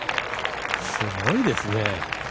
すごいですね。